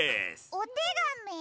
おてがみ？